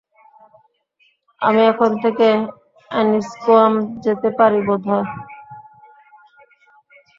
আমি এখান থেকে এনিস্কোয়াম যেতে পারি বোধ হয়।